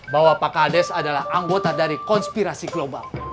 bahwa pak kades adalah anggota dari konspirasi global